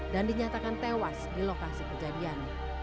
dan dinyatakan tewas di lokasi kejadian